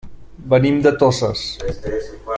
Venim de Toses.